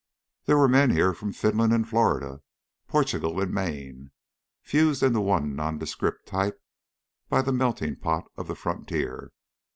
There were men here from Finland and Florida, Portugal and Maine, fused into one nondescript type by the melting pot of the frontier.